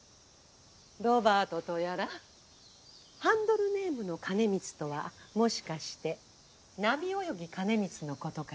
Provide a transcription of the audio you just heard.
ロバートとやらハンドルネームの兼光とはもしかして波游ぎ兼光のことかしら？